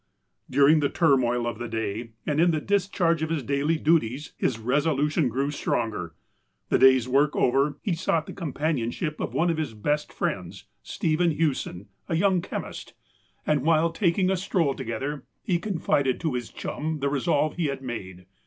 During (he turmoil of the day, and in the discharge of his daily dulii'S, his resolution grew stronger. The day's work over, he sought the companionship of one of his best friends, Stephen Hewsou, a young chemist, THE CALL OF THE LORD 17 and, while taking a stroll together, he confided to his chum the resolve he had made.